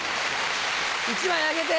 １枚あげて。